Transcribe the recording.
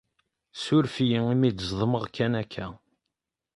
Ssuref-iyi imi d-ẓedmeɣ kan akka.